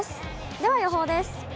では予報です。